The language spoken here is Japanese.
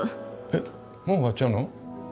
えっもう終わっちゃうの？